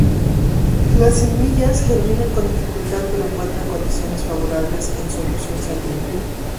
Las semillas germinan con dificultad, pero encuentran condiciones favorables en solución salina.